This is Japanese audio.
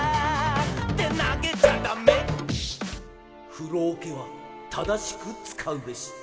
「ふろおけはただしくつかうべし」